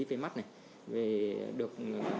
về mắt về được